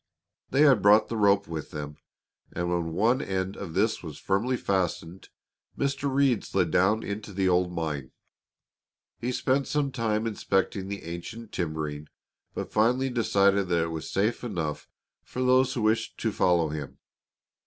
They had brought the rope with them, and when one end of this was firmly fastened, Mr. Reed slid down into the old mine. He spent some time inspecting the ancient timbering, but finally decided that it was safe enough for those who wished to follow him.